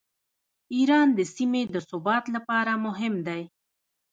ایران د سیمې د ثبات لپاره مهم دی.